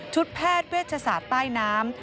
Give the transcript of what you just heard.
แพทย์เวชศาสตร์ใต้น้ำ